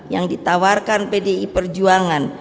yang ditawarkan pdi perjuangan